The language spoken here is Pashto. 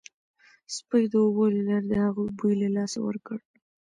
سپیو د اوبو له لارې د هغه بوی له لاسه ورکړ